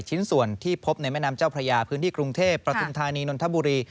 ชิ้นส่วนที่พบในแม่น้ำเจ้าพระยาพื้นที่กรุงเทพประทุมธานีนนทบุรี